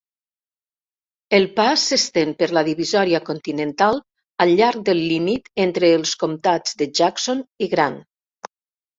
El pas s'estén per la divisòria continental al llarg del límit entre els comtats de Jackson i Grand.